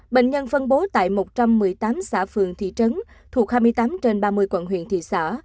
bệnh nhân phân bố tại một trăm một mươi tám xã phường thị trấn thuộc hai mươi tám trên ba mươi quận huyện thị xã